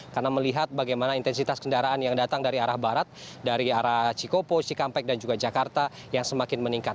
karena melihat bagaimana intensitas kendaraan yang datang dari arah barat dari arah cikopo cikampek dan juga jakarta yang semakin meningkat